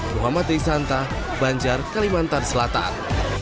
muhammad risanta banjar kalimantan selatan